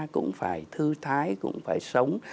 cũng phải thư thái cũng phải sống